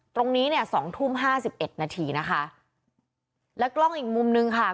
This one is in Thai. ตรงนี้เนี่ยสองทุ่มห้าสิบเอ็ดนาทีนะคะแล้วกล้องอีกมุมนึงค่ะ